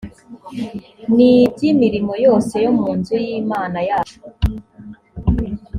n iby imirimo yose yo mu nzu y imana yacu